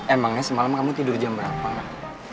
emangnya semalam kamu tidur jam berapa enggak